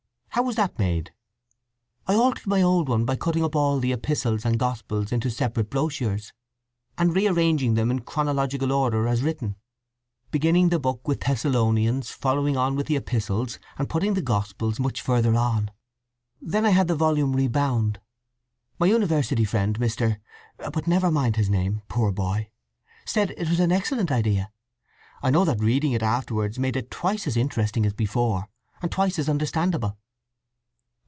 How was that made?" "I altered my old one by cutting up all the Epistles and Gospels into separate brochures, and rearranging them in chronological order as written, beginning the book with Thessalonians, following on with the Epistles, and putting the Gospels much further on. Then I had the volume rebound. My university friend Mr.—but never mind his name, poor boy—said it was an excellent idea. I know that reading it afterwards made it twice as interesting as before, and twice as understandable."